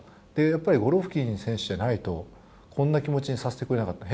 やっぱりゴロフキン選手じゃないとこんな気持ちにさせてくれなかった。